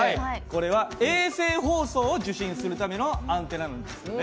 これは衛星放送を受信するためのアンテナなんですね。